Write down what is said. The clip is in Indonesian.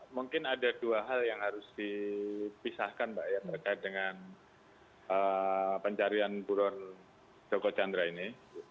mungkin ada dua hal yang harus dipisahkan mbak ya terkait dengan pencarian buron joko chandra ini